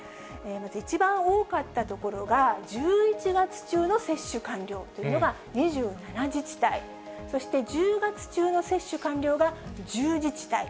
一番多かった所が１１月中の接種完了というのが２７自治体、そして１０月中の接種完了が１０自治体。